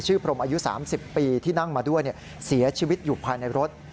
พรมอายุ๓๐ปีที่นั่งมาด้วยเสียชีวิตอยู่ภายในรถ